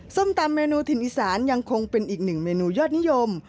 ส้มตำเมนูถิ่นอีสานยังคงเป็นอีกหนึ่งเมนูยอดนิยม